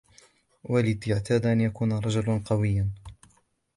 والدي اعتاد أن يكون رجلاً قوياً.